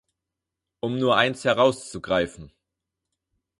Um nur eins heraus zu greifen!